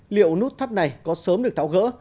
liệu nút thắt này có sớm được tháo gỡ